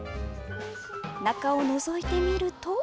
中をのぞいてみると。